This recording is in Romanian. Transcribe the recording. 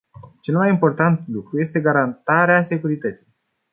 Cel mai important lucru este garantarea securității.